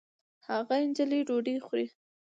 هغه نجلۍ ډوډۍ خوري